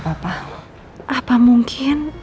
kututup badam dg wywhen